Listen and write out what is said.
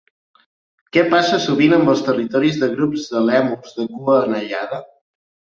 Què passa sovint amb els territoris de grups de lèmurs de cua anellada?